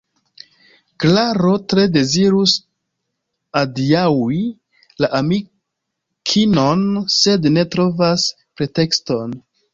Klaro tre dezirus adiaŭi la amikinon, sed ne trovas pretekston.